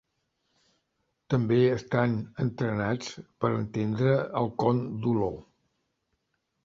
També estan entrenats per entendre el con d'olor.